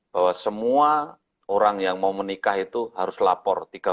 bahwa semua orang yang mau menikah itu harus lapor